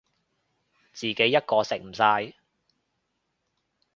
自己一個食唔晒